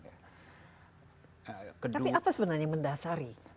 tapi apa sebenarnya mendasari